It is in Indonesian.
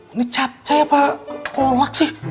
ini caca apa kolak sih